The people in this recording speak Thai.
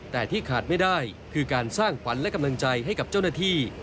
แต่ที่ขาดไม่ได้คือการสร้างขวัญและกำลังใจให้กับเจ้าหน้าที่